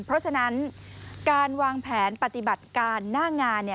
เพราะฉะนั้นการวางแผนปฏิบัติการหน้างาน